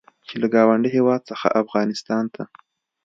چې له ګاونډي هېواد څخه افغانستان ته